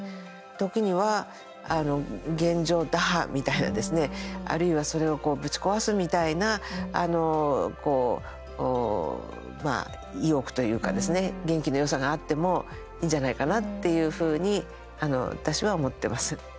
時には現状打破みたいなあるいはそれをぶち壊すみたいな意欲というか、元気のよさがあってもいいんじゃないかなって私は思っています。